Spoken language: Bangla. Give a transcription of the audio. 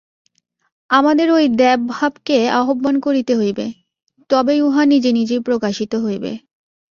আমাদের ঐ দেবভাবকে আহ্বান করিতে হইবে, তবেই উহা নিজে নিজেই প্রকাশিত হইবে।